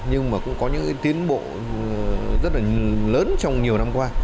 nhưng cũng có những tiến bộ rất là nhiều